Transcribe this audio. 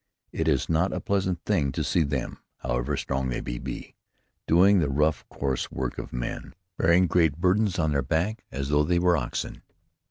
It is not a pleasant thing to see them, however strong they may be, doing the rough, coarse work of men, bearing great burdens on their backs as though they were oxen.